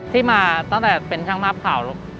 ที่มาตั้งแต่เป็นช่างภาพข่าวลูก